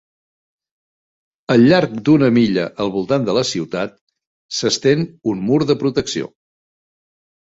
Al llarg d'una milla al voltant de la ciutat, s'estén un mur de protecció.